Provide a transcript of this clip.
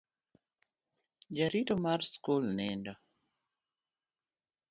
Jarito mar sikul nindo.